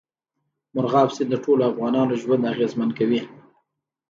مورغاب سیند د ټولو افغانانو ژوند اغېزمن کوي.